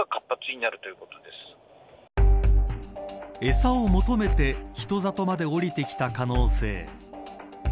餌を求めて人里まで下りてきた可能性。